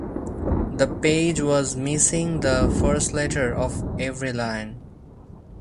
The page was missing the first letter of every line.